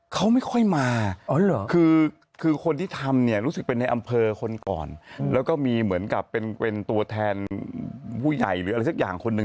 เขาไม่ค่อยมาคือคนที่ทำเนี่ยรู้สึกเป็นในอำเภอคนก่อนแล้วก็มีเหมือนกับเป็นตัวแทนผู้ใหญ่หรืออะไรสักอย่างคนหนึ่ง